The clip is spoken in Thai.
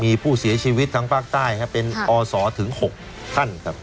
มีผู้เสียชีวิตทางภาคใต้ครับเป็นอศถึง๖ท่านครับ